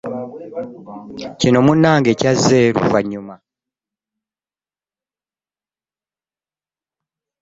Kino ate munnange kyazze luvannyuma.